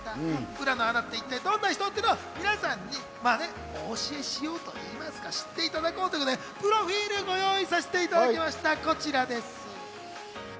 浦野アナって一体どんな人っていうの皆さんにお教えしようと言いますか、知っていただこうということで、プロフィル、ご用意させていただきました。